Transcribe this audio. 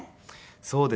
そうですね。